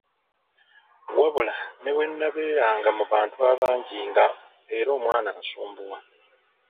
Wabula ne bwe nnabeeranga mu bantu abangi nga era omwana ansumbuwa.